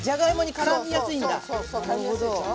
からみやすいでしょ。